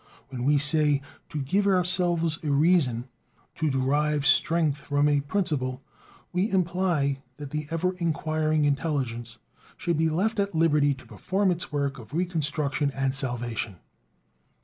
When we say, "to give ourselves a reason," "to derive strength from a principle," we imply that the ever inquiring intelligence should be left at liberty to perform its work of reconstruction and salvation.